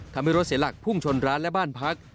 ทำให้รถเสียหลักพุ่งชนร้านและบ้านพัก